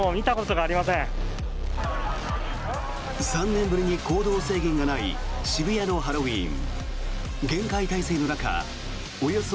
３年ぶりに行動制限がない渋谷のハロウィーン。